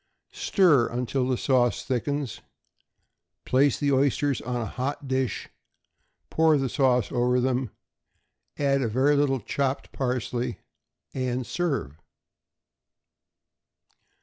Stir until the sauce thickens; place the oysters on a hot dish, pour the sauce over them, add a very little chopped parsley, and serve.